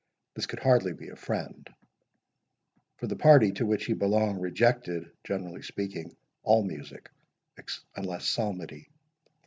This could hardly be a friend; for the party to which he belonged rejected, generally speaking, all music, unless psalmody.